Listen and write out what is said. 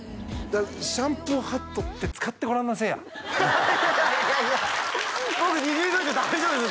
シャンプーハットって使ってごらんなせえやいやいや僕２０秒以上大丈夫です